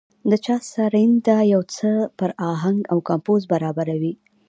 د چا سرېنده يو څه پر اهنګ او کمپوز برابره وي.